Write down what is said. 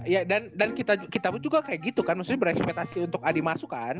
ya dan kita juga kayak gitu kan maksudnya berekspetasi untuk adi masuk kan